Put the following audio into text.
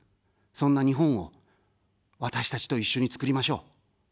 そんな日本を私たちと一緒に作りましょう。